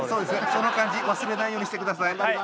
その感じ忘れないようにしてください。